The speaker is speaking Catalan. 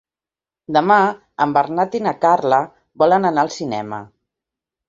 Demà en Bernat i na Carla volen anar al cinema.